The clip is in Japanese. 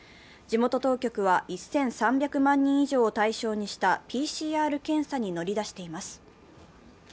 地元当局は１３００万人以上を対象にしたＰＣＲ検査に乗り出しています。